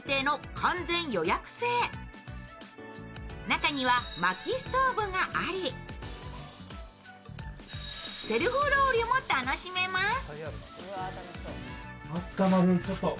中にはまきストーブがあり、セルフロウリュも楽しめます。